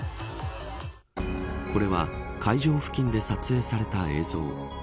これは、会場付近で撮影された映像。